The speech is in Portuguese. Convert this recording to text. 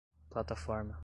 plataforma